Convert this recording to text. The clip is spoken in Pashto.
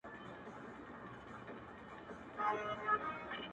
له سهاره تر ماښامه په ژړا یو!